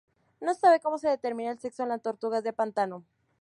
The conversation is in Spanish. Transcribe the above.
No se sabe cómo se determina el sexo en las tortugas de pantano.